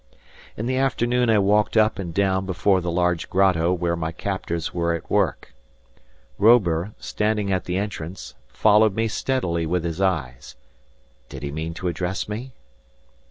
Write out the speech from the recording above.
In the afternoon I walked up and down before the large grotto where my captors were at work. Robur, standing at the entrance, followed me steadily with his eyes. Did he mean to address me?